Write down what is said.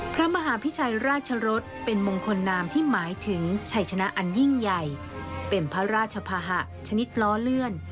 พระมหาพิชัยราชรสเป็นมงคลนามที่หมายถึงชัยชนะอันยิ่งใหญ่เป็นพระราชภาหะชนิดล้อเลื่อน